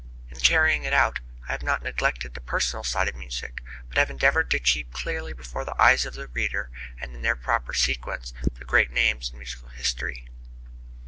In carrying it out I have not neglected the personal side of music, but have endeavored to keep clearly before the eyes of the reader, and in their proper sequence, the great names in musical history.